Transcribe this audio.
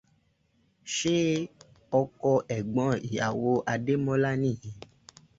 Ṣé ọkọ ẹ̀gbọ́n ìyàwó Adẹ́mọ́lá nìyẹn?